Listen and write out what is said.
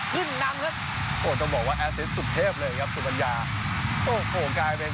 ครึ่งน้ำโอ้จะบอกว่าสุดเทพเลยครับสุบัญญาโอ้โหกลายเป็น